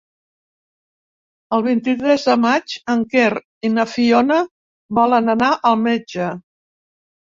El vint-i-tres de maig en Quer i na Fiona volen anar al metge.